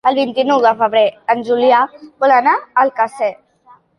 El vint-i-nou de febrer en Julià vol anar a Alcàsser.